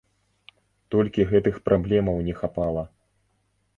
Толькі гэтых праблемаў не хапала.